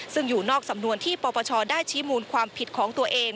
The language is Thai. ซึ่งอยู่นอกสำนวนที่ปปชได้ชี้มูลความผิดของตัวเอง